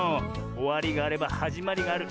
おわりがあればはじまりがある。